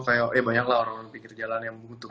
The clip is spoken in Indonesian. kayak banyak lah orang pinggir jalan yang butuh